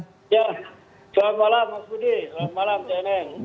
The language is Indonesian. ya selamat malam mas budi selamat malam cnn